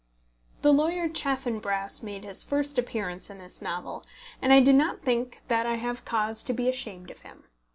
The lawyer Chaffanbrass made his first appearance in this novel, and I do not think that I have cause to be ashamed of him.